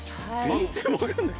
全然分かんない。